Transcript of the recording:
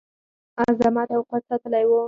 عظمت او قوت ساتلی وو.